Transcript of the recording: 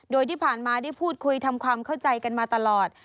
โดยที่ผ่านมาได้พูดคุยทำความเข้าใจกันมาตลอด